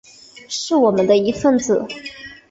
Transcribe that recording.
是我们的一分子